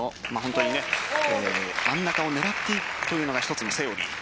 真ん中を狙っていくというのが１つのセオリー。